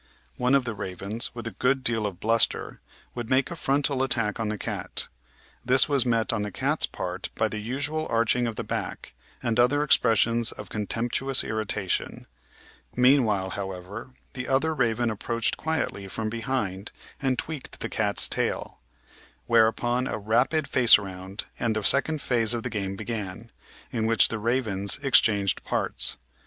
One of the ravens, with a good deal of bluster, would make a frontal attack on the cat. This was met on the cat's part by the usual arching of the back and other expressions of contemptuous irritation. Meanwhile, however, the other raven approached quietly from behind and tweaked the cat's tail. Whereupon a rapid face round, and the second phase of the game began, in which the ravens exchanged parts.